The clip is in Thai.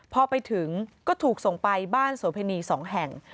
พอไปถึงก็ถูกส่งไปบ้านสวพินีสองแห่ง